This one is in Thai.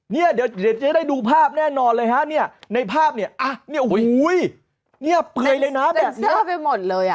เดี๋ยวเจ๊ได้ดูภาพแน่นอนเลยฮะในภาพเนี่ยอ้าวอุ้ยเต็มเสื้อไปหมดเลย